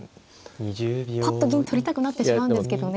ぱっと銀取りたくなってしまうんですけどね。